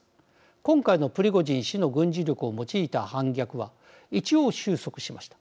今回のプリゴジン氏の軍事力を用いた反逆は一応、収束しました。